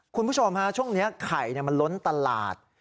คุณผู้ชมฮะช่วงนี้ไข่มันล้นตลาด